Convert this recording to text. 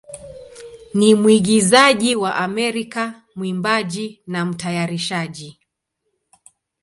ni mwigizaji wa Amerika, mwimbaji, na mtayarishaji.